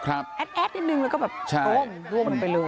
แอ๊ดนิดนึงแล้วก็แบบโอ้มร่วมไปเร็ว